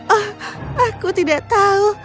oh aku tidak tahu